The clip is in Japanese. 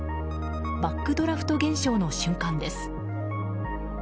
バックドラフト現象の瞬間です。